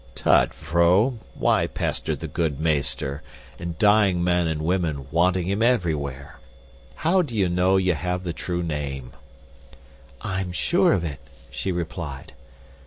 "Tut, vrouw, why pester the good meester, and dying men and women wanting him everywhere? How do ye know ye have the true name?" "I'm sure of it," she replied.